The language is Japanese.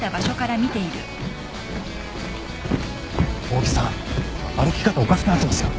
大木さん歩き方おかしくなってますよ。